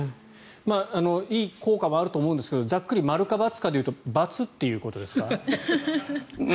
いい効果はあると思うんですけどざっくり丸かバツかでいうとバツということですか。